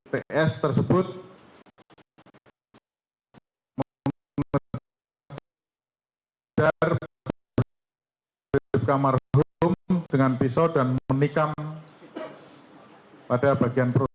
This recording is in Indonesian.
ts tersebut mengeluar dari kamar rum dengan pisau dan menikam pada bagian perut